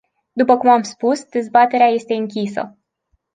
După cum am spus, dezbaterea este închisă.